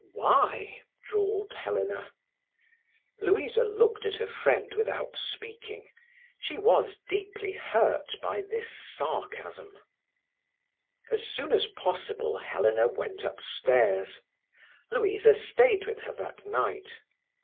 "Why?" drawled Helena. Louisa looked at her friend without speaking. She was deeply hurt by this sarcasm. As soon as possible Helena went upstairs. Louisa stayed with her that night.